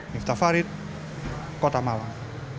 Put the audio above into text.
miftah farid kota malang